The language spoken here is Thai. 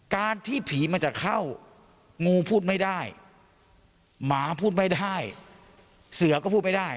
การที่ผีมันจะเข้างูพูดไม่ได้หมาพูดไม่ได้เสือก็พูดไม่ได้